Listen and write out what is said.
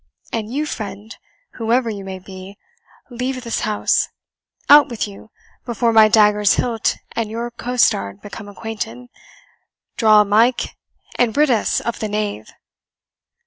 And you, friend, whoever you may be, leave this house out with you, before my dagger's hilt and your costard become acquainted. Draw, Mike, and rid us of the knave!"